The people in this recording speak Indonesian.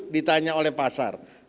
ditanya oleh pasar